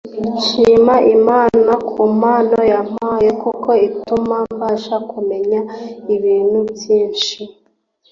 Nshima Imana ku mpano yampaye kuko ituma mbasha kumenya ibintu byinshi